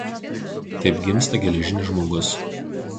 Taip gimsta Geležinis žmogus.